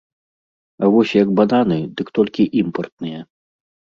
А вось як бананы, дык толькі імпартныя.